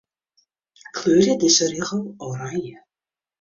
Kleurje dizze rigel oranje.